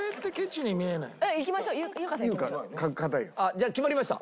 じゃあ決まりました？